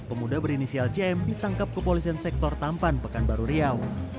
pemuda berinisial jm ditangkap kepolisian sektor tampan pekanbaru riau